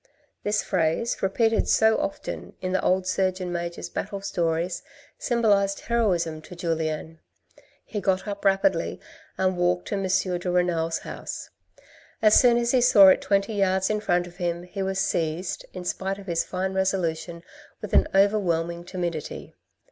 This phrase, repeated so often in the old Surgeon Major's battle stories, symbolized heroism to Julien. He got up rapidly and walked to M. de Renal's house. As soon as he saw it twenty yards in front of him he was seized, in spite of his fine resolution, with an overwhelming timidity.